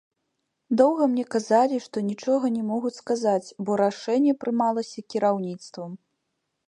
Доўга мне казалі, што нічога не могуць сказаць, бо рашэнне прымалася кіраўніцтвам.